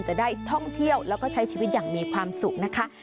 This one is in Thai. จะได้ท่องเที่ยวแล้วก็ใช้ชีวิตอย่างมีความสุขนะคะ